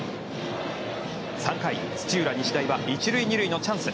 ３回、土浦日大は１塁２塁のチャンス。